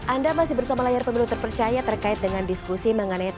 anda masih bersama layar pemilu terpercaya terkait dengan diskusi mengenai